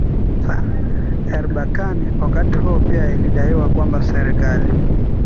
Erbakan Wakati huo pia ilidaiwa kwamba serekali